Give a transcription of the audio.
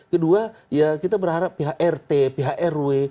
kedua ya kita berharap pihak rt pihak rw